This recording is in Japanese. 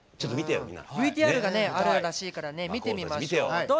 ＶＴＲがあるらしいから見てみましょう。